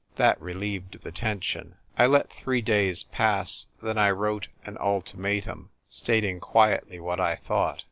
That relieved the tension. I let three days pass ; then I wrote an ulti matum, stating quietly what I thought.